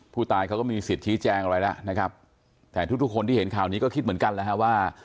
ผู้ตายเขาก็มีสิทธิ์ชี้แจงอะไรแล้วนะครับแต่ทุกทุกคนที่เห็นข่าวนี้ก็คิดเหมือนกันนะฮะว่า